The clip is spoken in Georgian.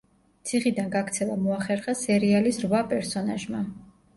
ციხიდან გაქცევა მოახერხა სერიალის რვა პერსონაჟმა.